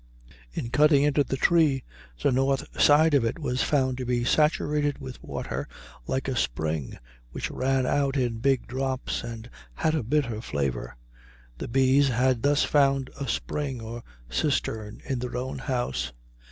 In cutting into the tree, the north side of it was found to be saturated with water like a spring, which ran out in big drops, and had a bitter flavor. The bees had thus found a spring or a cistern in their own house.